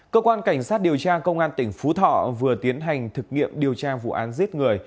cơ quan cảnh sát điều tra công an tỉnh phú thọ vừa tiến hành thực nghiệm điều tra vụ án giết người